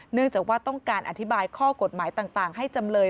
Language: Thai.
เนื่องจากว่าต้องการอธิบายข้อกฎหมายต่างให้จำเลย